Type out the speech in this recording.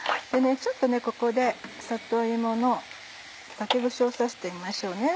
ちょっとここで里芋に竹串を刺してみましょう。